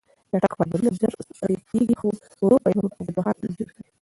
چټک فایبرونه ژر ستړې کېږي، خو ورو فایبرونه اوږدمهاله انرژي ورکوي.